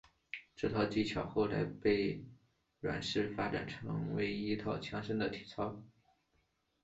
这套技巧后来被阮氏发展成为一套强身的体操。